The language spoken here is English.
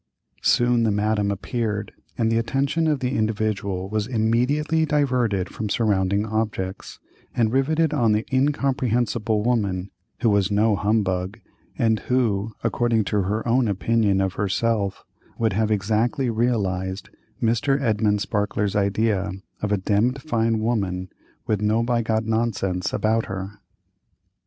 Soon the Madame appeared, and the attention of the Individual was immediately diverted from surrounding objects and riveted on the incomprehensible woman who was "no humbug," and who, according to her own opinion of herself, would have exactly realized Mr. Edmund Sparkler's idea of a "dem'd fine woman, with nobigodnonsense about her."